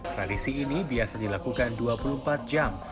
tradisi ini biasa dilakukan dua puluh empat jam